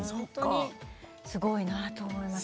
すごいなと思います。